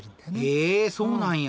へえそうなんや。